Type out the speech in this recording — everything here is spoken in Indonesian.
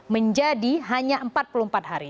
menjadi hanya empat puluh empat hari